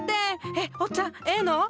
えっおっちゃんええの？